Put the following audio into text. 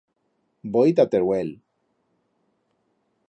Voi ta Teruel.